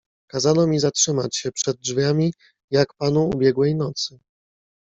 "Kazano mi zatrzymać się przed drzwiami, jak panu ubiegłej nocy."